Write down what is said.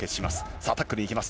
さあタックルいきます。